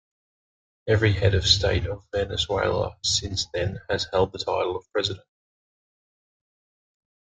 Every head of state of Venezuela since then has held the title of President.